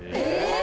え？